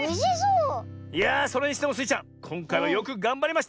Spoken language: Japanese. いやそれにしてもスイちゃんこんかいはよくがんばりました！